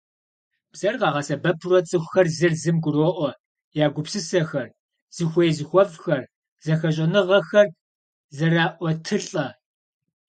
Бзэр къагъэсэбэпурэ цӀыхухэр зыр зым гуроӀуэ, я гупсысэхэр, зыхуей–зыхуэфӀхэр, зэхэщӀэныгъэхэр зэраӀуэтылӀэ.